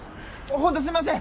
ホントすいません！